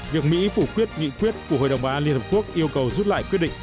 việc mỹ phủ quyết nghị quyết của hội đồng bá liên hợp quốc yêu cầu rút lại quyết định